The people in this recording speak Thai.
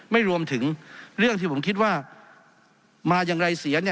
ไม่รวมถึงเรื่องที่ผมคิดว่ามาอย่างไรเสีย